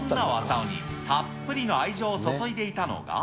おにたっぷりの愛情を注いでいたのが。